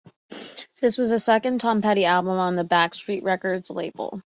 This was the second Tom Petty album on the Backstreet Records label.